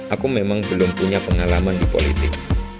aku memang belum punya pengalaman di politik